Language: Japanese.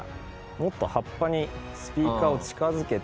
もっと葉っぱにスピーカーを近づけて。